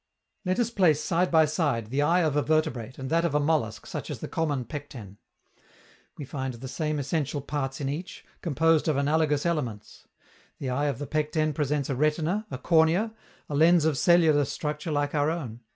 Let us place side by side the eye of a vertebrate and that of a mollusc such as the common Pecten. We find the same essential parts in each, composed of analogous elements. The eye of the Pecten presents a retina, a cornea, a lens of cellular structure like our own.